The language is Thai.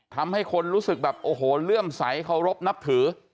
ทำให้คนรู้สึกแบบโอ้โหเลื่อมใสเคารพนับถือ